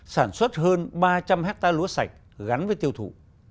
sản xuất hơn ba trăm linh hectare lúa sạch gắn với tiêu thụ